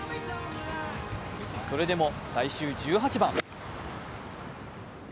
それでも最終１８番。